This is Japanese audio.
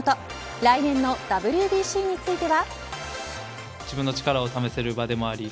来年のＷＢＣについては。